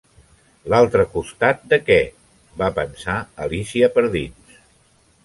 "L'altre costat de què?" va pensar Alícia per dins.